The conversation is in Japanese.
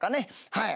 はい。